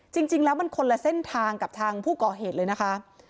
จริงแล้วมันคนละเส้นทางกับทางผู้ก่อเหตุเลยนะคะ